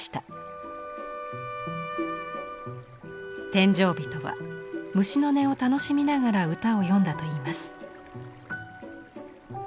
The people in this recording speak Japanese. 殿上人は虫の音を楽しみながら歌を詠んだといいます。